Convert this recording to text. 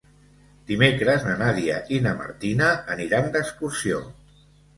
Dimecres na Nàdia i na Martina aniran d'excursió.